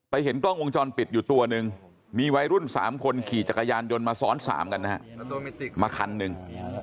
เห็นกล้องวงจรปิดอยู่ตัวหนึ่งมีวัยรุ่น๓คนขี่จักรยานยนต์มาซ้อน๓กันนะฮะมาคันหนึ่ง